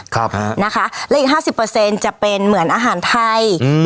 ครับนะคะและอีกห้าสิบเปอร์เซ็นต์จะเป็นเหมือนอาหารไทยอืม